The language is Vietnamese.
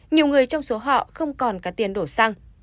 nhiều người trong số họ không còn cả tiền đổ xăng